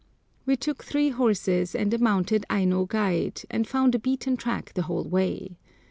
We took three horses and a mounted Aino guide, and found a beaten track the whole way.